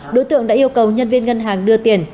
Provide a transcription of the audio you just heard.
đối tượng đã yêu cầu nhân viên ngân hàng đưa tiền